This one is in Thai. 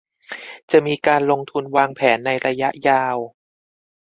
จะมีการลงทุนวางแผนในระยะยาว